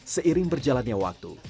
seiring berjalannya waktu